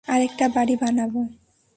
আরেকটা বাড়ি বানাবো!